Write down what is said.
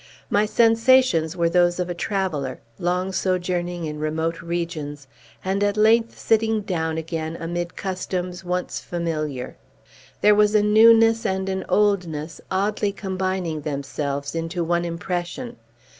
My sensations were those of a traveller, long sojourning in remote regions, and at length sitting down again amid customs once familiar. There was a newness and an oldness oddly combining themselves into one impression.